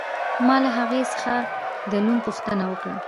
ما له هغې څخه د نوم پوښتنه وکړه